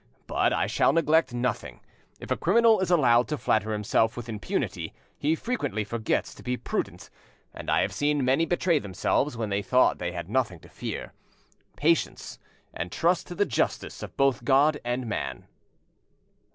But I shall neglect nothing: if a criminal is allowed to flatter himself with impunity, he frequently forgets to be prudent, and I have seen many betray themselves when they thought they had nothing to fear. Patience, and trust to the justice of both God and man."